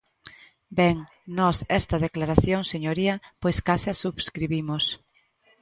Ben, nós esta declaración, señoría, pois case a subscribimos.